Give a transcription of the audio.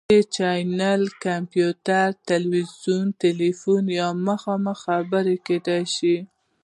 دا چینل کمپیوټر، تلویزیون، تیلیفون یا مخامخ خبرې کیدی شي.